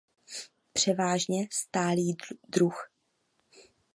Převážně stálý druh.